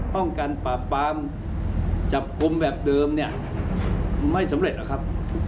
ป้องกันปราบปรามจับกลุ่มแบบเดิมเนี่ยไม่สำเร็จหรอกครับ